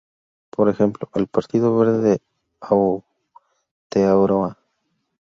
Por ejemplo, el Partido Verde de Aotearoa.